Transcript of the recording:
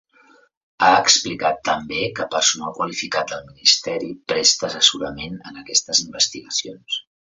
Ha explicat també que ‘personal qualificat’ del ministeri presta assessorament en aquestes investigacions.